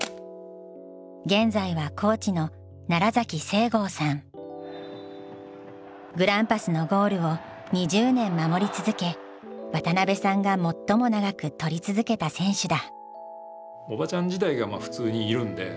現在はコーチのグランパスのゴールを２０年守り続け渡邉さんが最も長く撮り続けた選手だ。